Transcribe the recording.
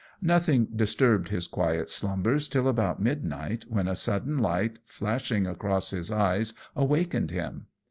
Nothing disturbed his quiet slumbers till about midnight, when a sudden light flashing across his eyes awakened him.